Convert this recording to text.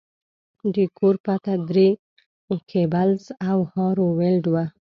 د کور پته درې ګیبلز او هارو ویلډ وه